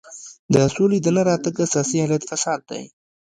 د سولې د نه راتګ اساسي علت فساد دی.